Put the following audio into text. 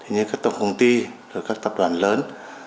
như các tổng công ty các tập đoàn lớn